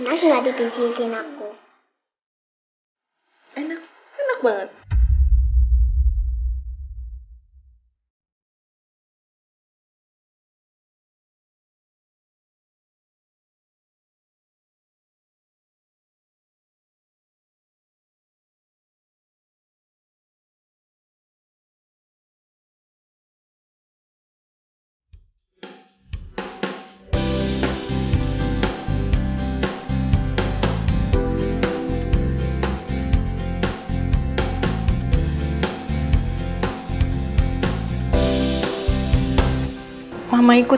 aku bernasib baik